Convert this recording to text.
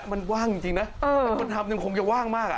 มันว่างจริงนะมันทำจนคงจะว่างมากอ่ะ